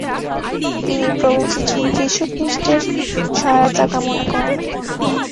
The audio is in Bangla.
তিনি প্রভু যীশু খ্রীস্টের সহায়তা কামনা করেন।